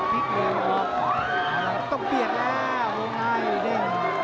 พลิกเรียงออกเอาละต้องเปรียบแล้วโอ้ง่ายเด้ง